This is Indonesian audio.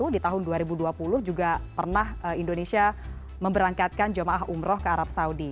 di tahun dua ribu dua puluh juga pernah indonesia memberangkatkan jemaah umroh ke arab saudi